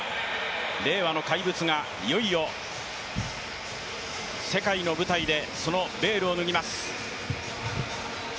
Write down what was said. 令和の怪物がいよいよ世界の舞台でそのベールを脱ぎます。